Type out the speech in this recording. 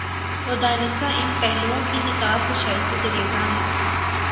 وہ دانستہ ان پہلوئوں کی نقاب کشائی سے گریزاں ہے۔